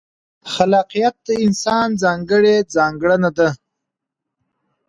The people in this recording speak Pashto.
خلاقیت د انسان ځانګړې ځانګړنه ده.